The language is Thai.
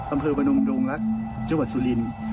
สำเคราะห์บนองโดงลักษณ์จังหวัดสุรินทร์